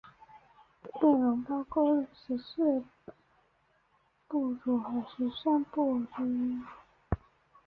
内容包括十四部注和十三部疏。